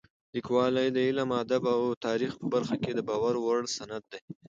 لیکوالی د علم، ادب او تاریخ په برخه کې د باور وړ سند دی.